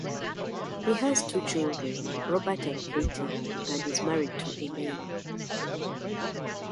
He has two children, Robert and Katy, and is married to Elaine.